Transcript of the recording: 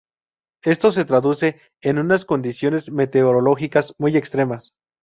Esto se traduce en unas condiciones meteorológicas muy extremas.